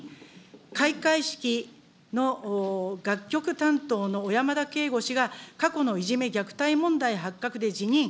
開会式の楽曲担当の小山田圭吾氏が、過去のいじめ虐待問題発覚で辞任。